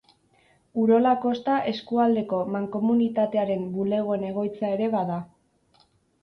Urola Kosta eskualdeko mankomunitatearen bulegoen egoitza ere bada.